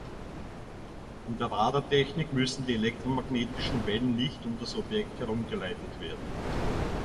In der Radartechnik müssen die elektromagnetischen Wellen nicht um das Objekt herumgeleitet werden.